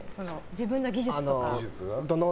自分の技術とか。